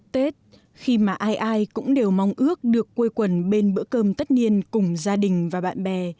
tết khi mà ai ai cũng đều mong ước được quây quần bên bữa cơm tất niên cùng gia đình và bạn bè